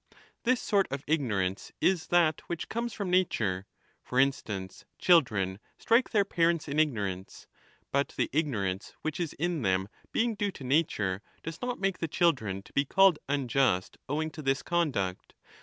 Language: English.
This sort of ignorance is that which comes from nature ; for instance, children strike 1195 their parents in ignorance, but the ignorance which is in them being due to nature does not make the children to be called unjust owing to this conduct.